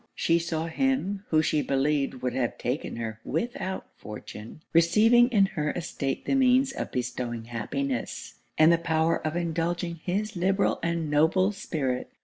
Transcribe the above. She saw him, who she believed would have taken her without fortune, receiving in her estate the means of bestowing happiness, and the power of indulging his liberal and noble spirit.